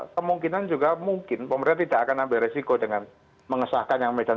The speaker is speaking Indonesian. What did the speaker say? kemungkinan juga mungkin pemerintah tidak akan ambil resiko dengan mengesahkan yang medan